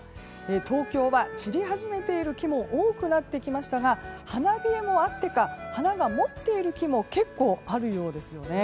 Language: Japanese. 東京は散り始めている木も多くなってきましたが花冷えもあってか花が持っている木も結構あるようです。